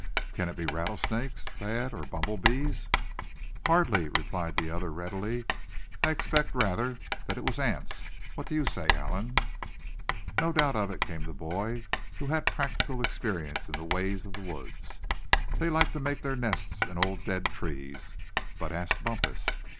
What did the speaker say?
"Can it be rattlesnakes, Thad, or bumble bees?" "Hardly," replied the other, readily; "I'd expect rather that it was ants. What do you say, Allan?" "No doubt of it," came from the boy who had practical experience in the ways of the woods. "They like to make their nests in old dead trees. But ask Bumpus."